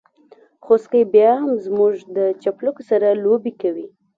خوسکي بيا هم زموږ د چپلکو سره لوبې کوي.